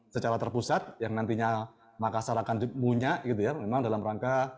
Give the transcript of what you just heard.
secara terpusat yang nantinya makassar akan dimunyak gitu ya memang dalam rangka